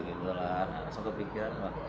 nah langsung kepikiran